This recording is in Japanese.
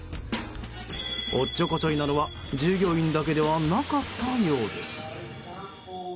おっちょこちょいなのは従業員だけではなかったようです。